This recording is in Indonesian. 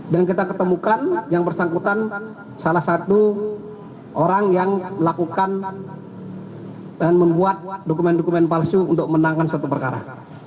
dan kita ketemukan yang bersangkutan salah satu orang yang melakukan dan membuat dokumen dokumen palsu untuk menangkan suatu perkara